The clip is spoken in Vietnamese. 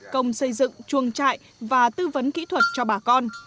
công xây dựng chuồng trại và tư vấn kỹ thuật cho bà con